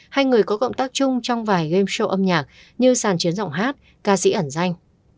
hay người có cộng tác chung trong vài game show âm nhạc như sàn chiến giọng hát ca sĩ ẩn danh